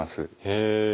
へえ。